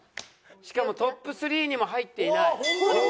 しかもトップ３にも入っていない。